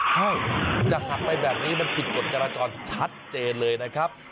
ใช่จะหักไปแบบนี้มันผิดกฎจราจรชัดเจนเลยนะครับ